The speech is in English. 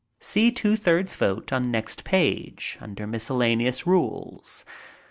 [See "Two thirds Vote," on next page, under Miscellaneous Rules.